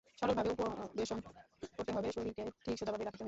সরলভাবে উপবেশন করিতে হইবে, শরীরকে ঠিক সোজাভাবে রাখিতে হইবে।